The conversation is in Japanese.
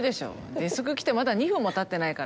デスク来てまだ２分もたってないから。